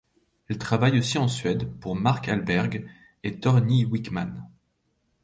Elle travaille aussi en Suède pour Mac Ahlberg et Torgny Wickman.